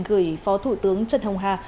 gửi phó thủ tướng trần hồng hà